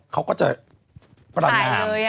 เขาก็จะประนาม